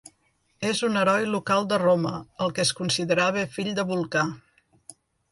És un heroi local de Roma, al que es considerava fill de Vulcà.